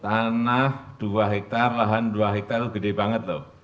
tanah dua hektare lahan dua hektare itu gede banget loh